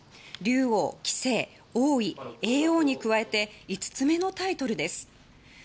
竜王、棋聖、王位、叡王に加えて５つ目のタイトルです。